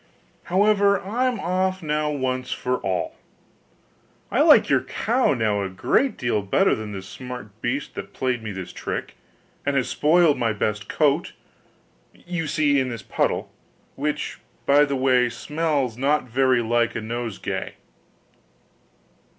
However, I'm off now once for all: I like your cow now a great deal better than this smart beast that played me this trick, and has spoiled my best coat, you see, in this puddle; which, by the by, smells not very like a nosegay.